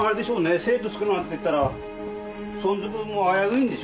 生徒が少なくなっていったら存続も危ういんでしょ？